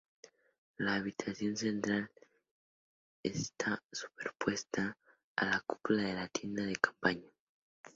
La habitación central está superpuesta a la cúpula de la tienda de campaña.